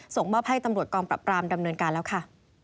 ส่งมอบให้ตำรวจกองปรับปรามดำเนินการแล้วค่ะ